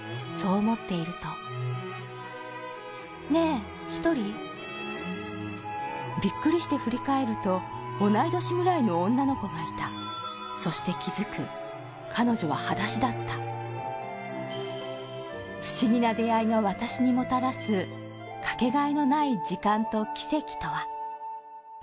そう思っているとびっくりして振り返ると同い年ぐらいの女の子がいたそして気づく彼女ははだしだった不思議な出会いが私にもたらすかけがえのない時間と奇跡とは？